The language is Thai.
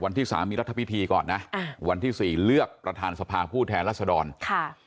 วันที่สามมีรัฐพิธีก่อนนะอ่าวันที่สี่เลือกประธานสภาผู้แทนรัศดรค่ะ